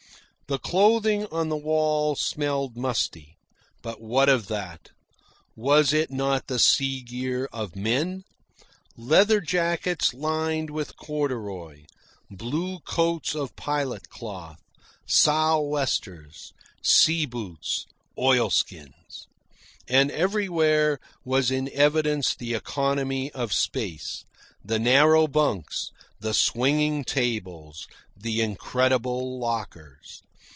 The clothing on the wall smelled musty. But what of that? Was it not the sea gear of men? leather jackets lined with corduroy, blue coats of pilot cloth, sou'westers, sea boots, oilskins. And everywhere was in evidence the economy of space the narrow bunks, the swinging tables, the incredible lockers.